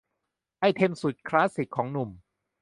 ไอเทมสุดคลาสสิกของหนุ่ม